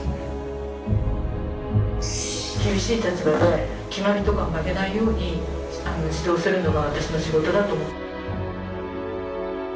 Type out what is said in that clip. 厳しい立場で決まりとかも曲げないように指導するのが私の仕事だと。